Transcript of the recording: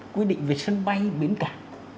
quyết định về sân bay bến cảng